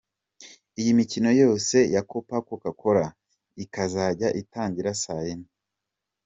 Iyi mikino yose ya Copa Coca-Cola ikazajya itangira saa yine.